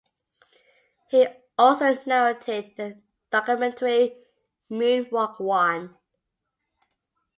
He also narrated the documentary "Moonwalk One".